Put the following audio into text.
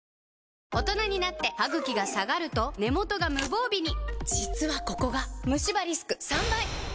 大人になってハグキが下がると根元が無防備に実はここがムシ歯リスク３倍！